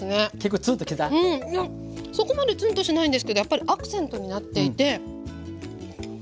そこまでツンとしないんですけどやっぱりアクセントになっていて。